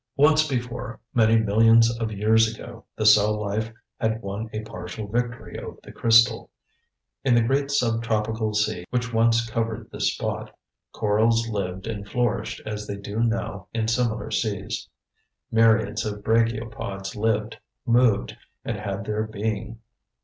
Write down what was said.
Once before, many millions of years ago, the cell life had won a partial victory over the crystal. In the great sub tropical sea which once covered this spot, corals lived and flourished as they do now in similar seas. Myriads of brachiopods lived, moved, and had their being.